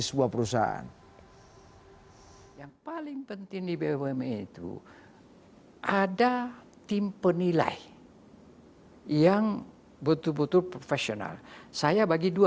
sebuah perusahaan yang paling penting di bumn itu ada tim penilai yang betul betul profesional saya bagi